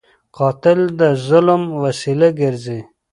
قاتل د ظلم وسیله ګرځي